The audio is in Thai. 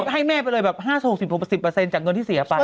ให้แม่ไปเลยแบบห้าสี่สองสิบหกสิบเปรอเซนจากเงินที่เสียตาย